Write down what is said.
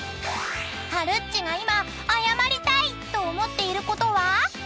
［はるっちが今謝りたいと思っていることは？］